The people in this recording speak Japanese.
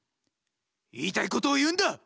言いたいことを言うんだ！